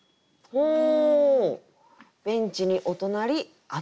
ほう！